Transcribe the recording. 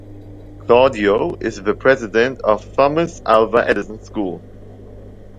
Claudio is the president of Thomas Alva Edison School.